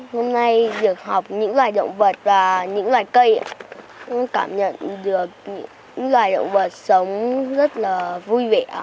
hôm nay được học những loài động vật và những loài cây cũng cảm nhận được những loài động vật sống rất là vui vẻ